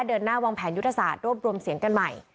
เดินหน้าวางแผนยุทธศาสตร์รวบรวมเสียงกันใหม่